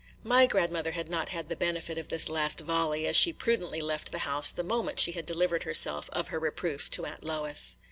My grandmother had not had the benefit of this last volley, as she prudently left the house the moment she had delivered herself of her reproof to Aunt Lois.